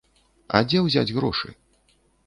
А дзе ўзяць грошы?